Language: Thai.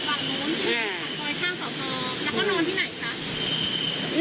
ครมตมคอยท่าข่าวกลอกแล้วก็นอนที่ไหนคะ